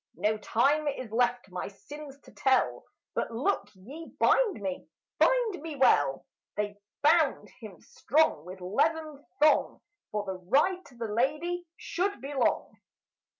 No time is left my sins to tell; But look ye bind me, bind me well!" They bound him strong with leathern thong, For the ride to the lady should be long.